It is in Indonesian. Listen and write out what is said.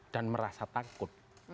dan merasa takut